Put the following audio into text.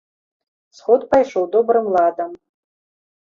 Сход пайшоў добрым ладам.